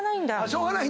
しょうがない。